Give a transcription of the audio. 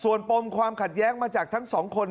ส่วนปมความขัดแย้งมาจากทั้งสองคน